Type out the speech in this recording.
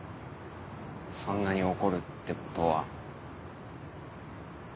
そんなに怒るってことは。